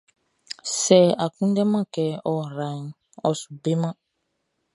Sɛ a kunndɛman kɛ ɔ raʼn, ɔ su beman.